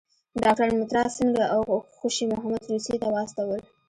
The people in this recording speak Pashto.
ډاکټر مترا سینګه او خوشي محمد روسیې ته واستول.